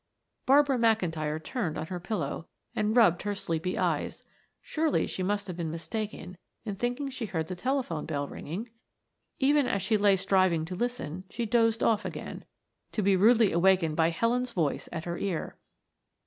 Barbara McIntyre turned on her pillow and rubbed her sleepy eyes; surely she had been mistaken in thinking she heard the telephone bell ringing. Even as she lay striving to listen, she dozed off again, to be rudely awakened by Helen's voice at her ear.